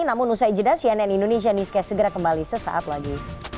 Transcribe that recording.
namun usai jeda cnn indonesia newscast segera kembali sesaat lagi